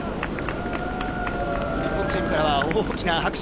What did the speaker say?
日本チームからは大きな拍手